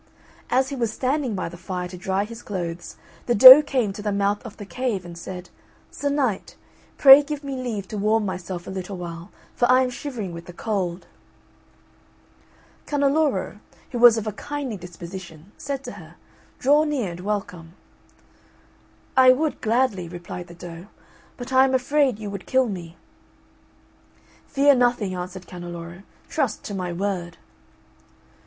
As he was standing by the fire to dry his clothes, the doe came to the mouth of the cave, and said, "Sir Knight, pray give me leave to warm myself a little while, for I am shivering with the cold." Canneloro, who was of a kindly disposition, said to her, "Draw near, and welcome." "I would gladly," replied the doe, "but I am afraid you would kill me." "Fear nothing," answered Canneloro, "trust to my word."